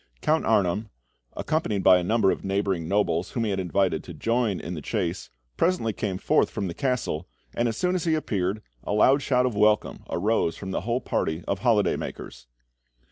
Count Arnheim, accompanied by a number of neighbouring nobles whom he had invited to join in the chase, presently came forth from the castle, and as soon as he appeared, a loud shout of welcome arose from the whole party of holiday makers.